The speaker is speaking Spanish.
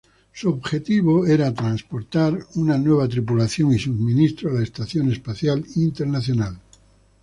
Su objetivo era transportar una nueva tripulación y suministros a la Estación Espacial Internacional.